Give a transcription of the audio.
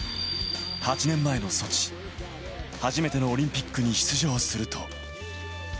８年前のソチ、初めてのオリンピックに出場すると。